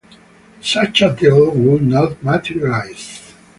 Such a deal would not materialise.